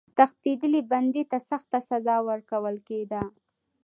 تښتېدلي بندي ته سخته سزا ورکول کېده.